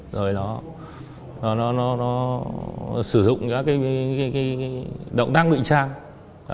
rồi nó sử dụng các cái động tác ngụy trang